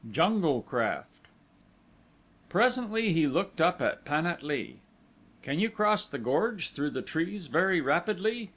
7 Jungle Craft Presently he looked up and at Pan at lee. "Can you cross the gorge through the trees very rapidly?"